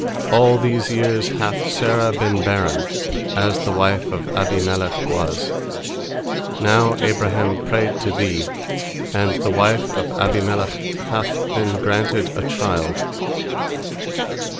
All these years hath Sarah been barren, as the wife of Abimelech was. Now Abraham prayed to Thee, and the wife of Abimelech hath been granted a child.